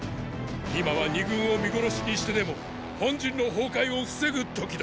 今は二軍を見殺しにしてでも本陣の崩壊を防ぐ刻だ！